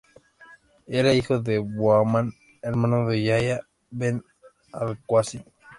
Era hijo de Muhammad, hermano de Yahya ben al-Qásim.